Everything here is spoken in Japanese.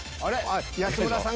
安村さん